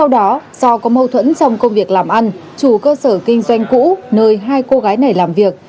do đó do có mâu thuẫn trong công việc làm ăn chủ cơ sở kinh doanh cũ nơi hai cô gái này làm việc